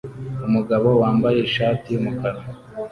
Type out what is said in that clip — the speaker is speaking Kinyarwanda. Umugabo wambaye ishati yumukara